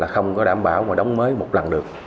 không có đảm bảo mà đóng mới một lần được